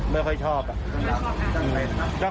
มันก็อาจจะเกิดปฏิเอชได้